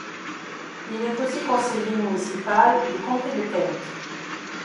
Il est aussi conseiller municipal du comté de Kent.